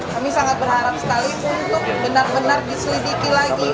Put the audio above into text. kami sangat berharap sekali untuk benar benar diselidiki lagi